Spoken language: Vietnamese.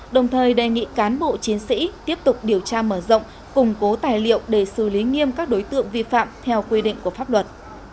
đồng thời đề nghị cán bộ chiến sĩ tiếp tục điều tra mở rộng củng cố tài liệu để xử lý nghiêm các đối tượng vi phạm theo quy định của pháp luật